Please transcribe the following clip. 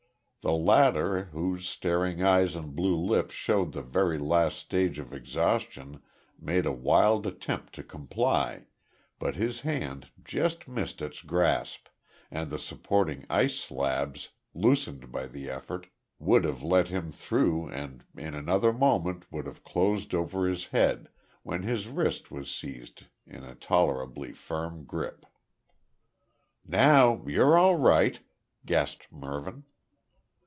The latter, whose staring eyes and blue lips showed the very last stage of exhaustion, made a wild attempt to comply, but his hand just missed its grasp, and the supporting ice slabs, loosened by the effort, would have let him through and in another moment would have closed over his head, when his wrist was seized in a tolerably firm grip. "Now you're all right," gasped Mervyn.